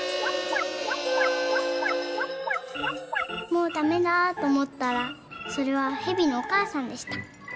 「もうダメだとおもったらそれはへびのおかあさんでした。